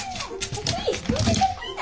トムちゃんかっこいいな。